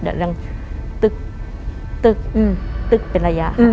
แบบตึ๊กเป็นระยะค่ะ